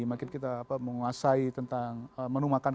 makin kita menguasai tentang menu makan